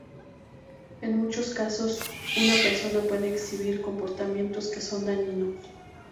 En muchos casos, una persona puede exhibir comportamientos que son dañinos.